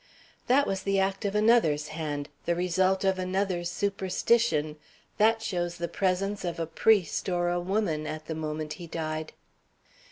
"That was the act of another's hand, the result of another's superstition. That shows the presence of a priest or a woman at the moment he died."